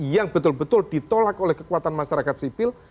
yang betul betul ditolak oleh kekuatan masyarakat sipil